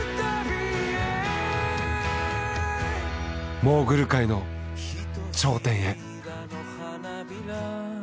モーグル界の頂点へ！